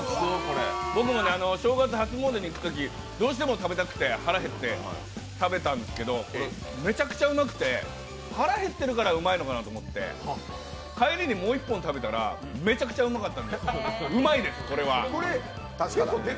僕も正月初詣に行くとき腹減って、食べたんですけどめちゃくちゃうまくて腹減ってるからうまいのかと思って、帰りにもう一本食べたらめちゃくちゃうまかったので、うまいです、これは。